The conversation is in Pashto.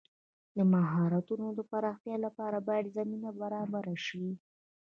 د مهارتونو د پراختیا لپاره باید زمینه برابره شي.